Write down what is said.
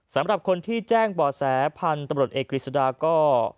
สำหรับคนที่แจ้งบ่อแสพันธุ์ตำรวจเอกกฤษฎาก็